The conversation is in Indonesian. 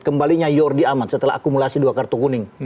kembalinya jordi amat setelah akumulasi dua kartu kuning